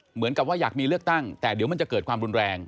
เหมือนกับว่าอยากมีเลือกตั้งแต่เดี๋ยวมันจะเกิดความรุนแรง